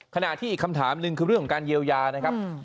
ขณะที่อีกคำถามหนึ่งคือเรื่องของการเยียวยานะครับ